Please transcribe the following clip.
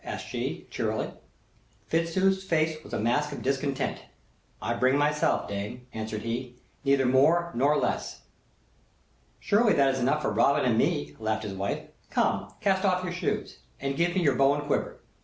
asked she, cheerily. Fitzooth's face was a mask of discontent. "I bring myself, dame," answered he, "neither more nor less." "Surely that is enough for Robin and me!" laughed his wife. "Come, cast off your shoes, and give me your bow and quiver.